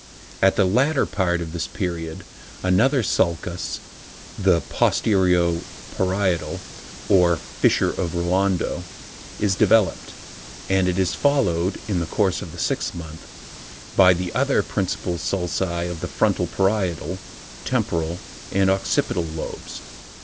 At the latter part of this period, another sulcus, the "posterio parietal," or "Fissure of Rolando" is developed, and it is followed, in the course of the sixth month, by the other principal sulci of the frontal, parietal, temporal and occipital lobes.